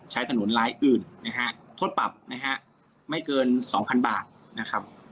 ใช้ถนนลายอื่นนะฮะโทษปรับนะฮะไม่เกิน๒๐๐๐บาทนะครับ